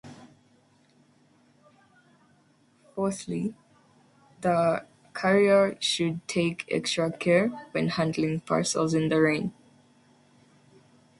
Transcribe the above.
Fourthly, the courier should take extra care when handling parcels in the rain.